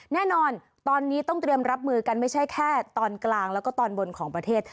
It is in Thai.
แน่นอนตอนนี้ต้องเตรียมรับมือกันไม่ใช่แค่ตอนกลางแล้วก็ตอนบนของประเทศ